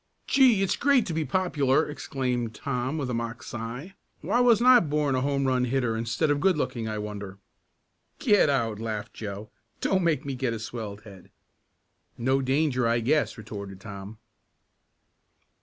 "Gee! It's great to be popular!" exclaimed Tom, with a mock sigh. "Why wasn't I born a home run hitter instead of good looking, I wonder?" "Get out!" laughed Joe. "Don't make me get a swelled head." "No danger, I guess," retorted Tom.